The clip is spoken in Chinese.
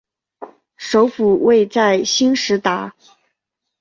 首府位在兴实达。